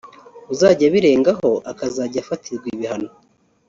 uzajya abirengaho akazajya afatirwa ibihano